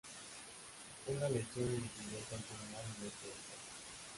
Una lesión le impidió continuar en este deporte.